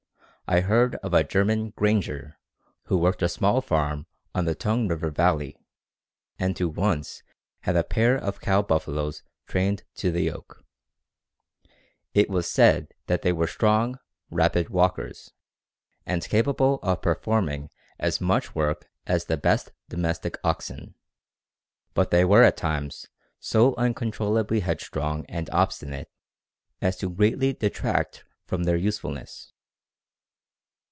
I heard of a German "granger" who worked a small farm in the Tongue River Valley, and who once had a pair of cow buffaloes trained to the yoke. It was said that they were strong, rapid walkers, and capable of performing as much work as the best domestic oxen, but they were at times so uncontrollably headstrong and obstinate as to greatly detract from their usefulness.